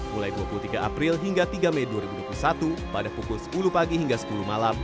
mulai dua puluh tiga april hingga tiga mei dua ribu dua puluh satu pada pukul sepuluh pagi hingga sepuluh malam